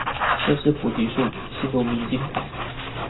身是菩提樹，心如明鏡台